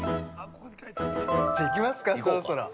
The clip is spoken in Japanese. ◆じゃあ、行きますか、そろそろ。